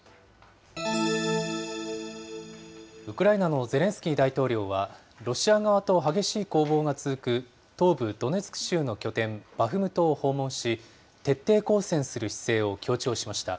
ウクライナのゼレンスキー大統領は、ロシア側と激しい攻防が続く東部ドネツク州の拠点、バフムトを訪問し、徹底抗戦する姿勢を強調しました。